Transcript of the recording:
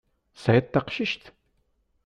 Tesεiḍ taqcict?